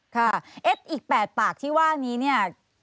ค่ะเอ๊ะอีก๘ปากที่ว่านี้